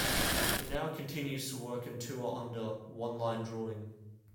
He now continues to work and tour under onelinedrawing'.